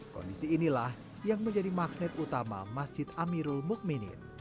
kondisi inilah yang menjadi magnet utama masjid amirul mukminin